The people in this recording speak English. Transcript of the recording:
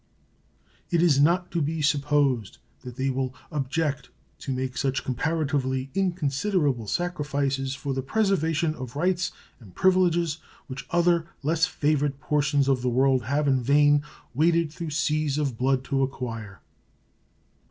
It is not to be supposed that they will object to make such comparatively inconsiderable sacrifices for the preservation of rights and privileges which other less favored portions of the world have in vain waded through seas of blood to acquire.